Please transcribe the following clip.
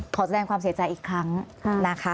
ขอแสดงความเสียใจอีกครั้งนะคะ